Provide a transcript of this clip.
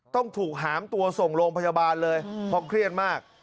ต้องถูกหามตัวส่งโรงพยาบาลเลยเพราะเครียดมาก